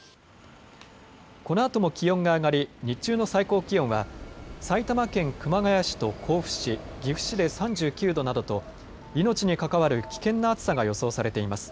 このあとも気温が上がり日中の最高気温は埼玉県熊谷市と甲府市、岐阜市で３９度などと命に関わる危険な暑さが予想されています。